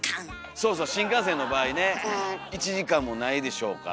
そうそう新幹線の場合ね１時間もないでしょうから。